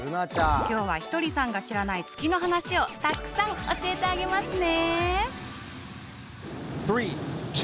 今日はひとりさんが知らない月の話をたくさん教えてあげますね！